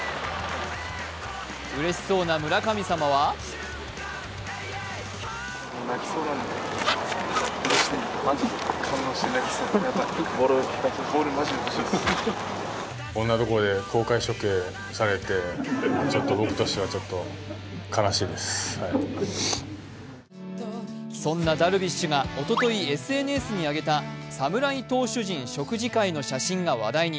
うれしそうな村神様はそんなダルビッシュがおとといＳＮＳに上げた侍投手陣食事会の写真が話題に。